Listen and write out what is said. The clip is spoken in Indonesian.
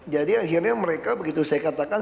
jadi akhirnya mereka begitu saya katakan